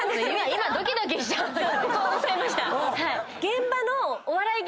今ドキドキしちゃった。